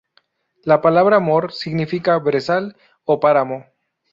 La palabra "mór" significa "brezal" o "páramo".